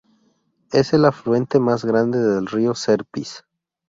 Es el afluente más grande del río Serpis.